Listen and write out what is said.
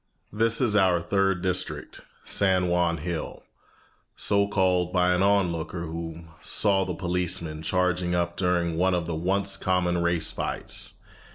This is our third district, San Juan Hill, so called by an on looker who saw the policemen charging up during one of the once common race fights.